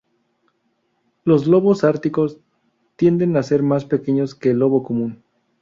Los lobos árticos tienden a ser más pequeños que el lobo común.